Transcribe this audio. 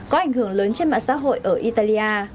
có ảnh hưởng lớn trên mạng xã hội ở italia